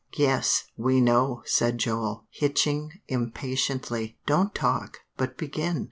"Yes, we know," said Joel, hitching impatiently. "Don't talk, but begin."